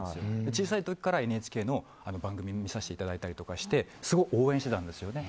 小さい時からＮＨＫの番組見させてもらったりしててすごく応援してたんですよね。